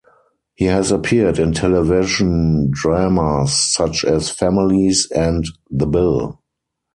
He has appeared in television dramas such as "Families" and "The Bill".